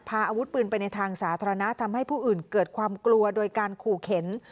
พาอาวุธปืนไปในทางสาธารณะทำให้ผู้อื่นเกิดความกลัวโดยการขู่เข็น